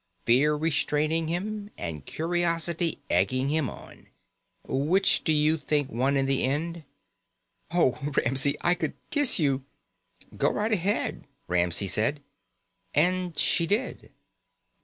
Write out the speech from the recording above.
Fear restraining him, and curiosity egging him on. Which do you think won in the end?" "Oh, Ramsey, I could kiss you!" "Go right ahead," Ramsey said, and she did.